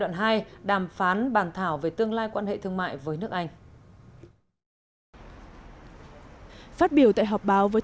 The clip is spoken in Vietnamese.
đoạn hai đàm phán bàn thảo về tương lai quan hệ thương mại với nước anh phát biểu tại họp báo với